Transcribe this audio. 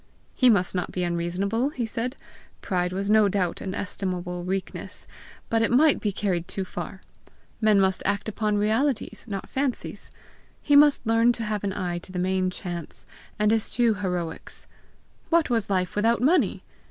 He must not be unreasonable, he said; pride was no doubt an estimable weakness, but it might be carried too far; men must act upon realities not fancies; he must learn to have an eye to the main chance, and eschew heroics: what was life without money!